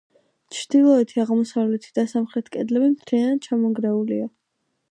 ჩრდილოეთი, აღმოსავლეთი და სამხრეთი კედლები მთლიანად ჩამონგრეულია.